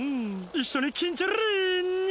いっしょにキンチョリーニャ！